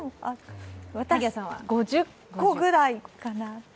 私５０個ぐらいかな。